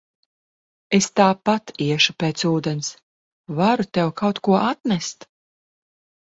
Es tāpat iešu pēc ūdens, varu tev kaut ko atnest.